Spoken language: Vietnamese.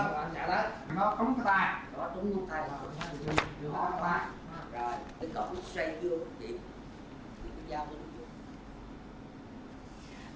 thưa quý vị